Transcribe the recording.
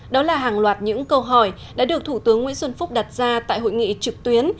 đó là hàng loạt những câu hỏi đã được thủ tướng nguyễn xuân phúc đặt ra tại hội nghị trực tuyến